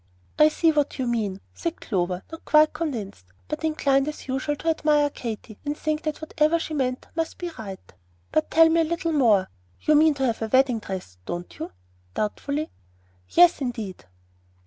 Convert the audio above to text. "I see what you mean," said Clover, not quite convinced, but inclined as usual to admire Katy and think that whatever she meant must be right. "But tell me a little more. You mean to have a wedding dress, don't you?" doubtfully. "Yes, indeed!"